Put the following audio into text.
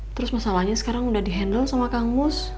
terus masalahnya sekarang udah di handle sama kang mus